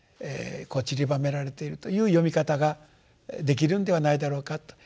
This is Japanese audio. ちりばめられているという読み方ができるんではないだろうかと。